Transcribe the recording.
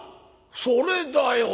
それだよ。